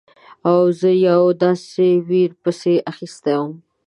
او زه یوې داسې ویرې پسې اخیستی وم.